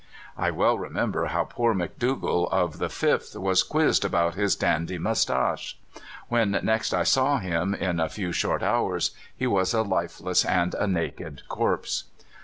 "I well remember how poor McDougall of the 5th was quizzed about his dandy moustaches. When next I saw him, in a few short hours, he was a lifeless and a naked corpse.